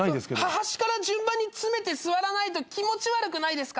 端から順番に詰めて座らないと気持ち悪くないですか？